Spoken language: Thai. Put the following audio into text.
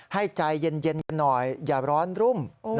ให้ใจเย็นกันหน่อยอย่าร้อนรุ่ม